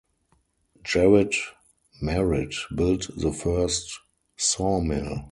Jared Merritt built the first sawmill.